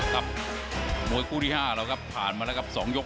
ตับมวยกู้ที่๕ก็พาดมาแล้วครับ๒ยก